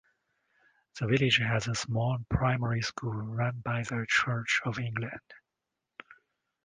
The village has a small primary school, run by the Church of England.